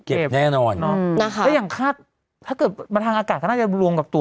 เก็บแน่นอนอืมนะคะถ้าอย่างคาดถ้าเกิดมาทางอากาศก็น่าจะลวงกับตัว